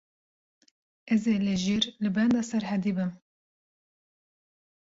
Ez ê li jêr li benda Serhedî bim.